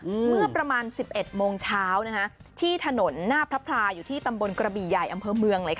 เมื่อประมาณสิบเอ็ดโมงเช้านะคะที่ถนนหน้าพระพราอยู่ที่ตำบลกระบี่ใหญ่อำเภอเมืองเลยค่ะ